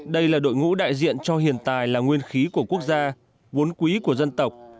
đây là đội ngũ đại diện cho hiện tài là nguyên khí của quốc gia vốn quý của dân tộc